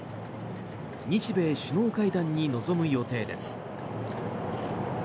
日米首脳会談に臨む予定です。